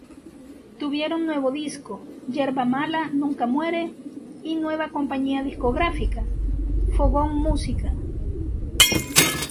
Tuvieron nuevo disco, "Yerba mala nunca muere" y nueva compañía discográfica, "Fogón Música".